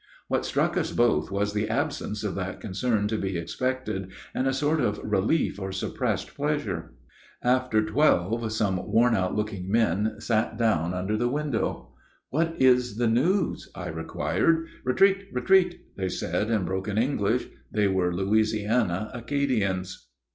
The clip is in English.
What struck us both was the absence of that concern to be expected, and a sort of relief or suppressed pleasure. After twelve some worn out looking men sat down under the window. "What is the news?" I inquired. "Ritreat, ritreat!" they said, in broken English they were Louisiana Acadians.